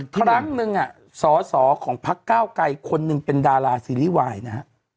ครั้งหนึ่งสอสอของพักเก้าไกรคนหนึ่งเป็นดาราซีรีส์วายนะฮะ